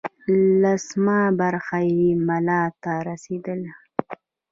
لسمه برخه یې ملا ته رسېدله.